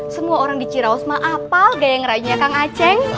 semua orang di ciraus mah apal gayanya ngerayunya kang aceng